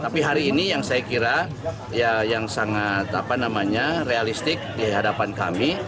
tapi hari ini yang saya kira yang sangat realistik di hadapan kami